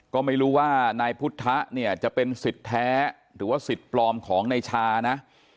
ก็ไม่รู้ว่านายพุทธะเนี่ยจะเป็นสิทธิ์แท้หรือว่าสิทธิ์ปลอมของนายชานะ